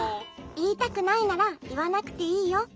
「いいたくないならいわなくていいよ。